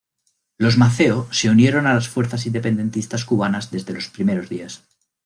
Los Maceo se unieron a las fuerzas independentistas cubanas desde los primeros días.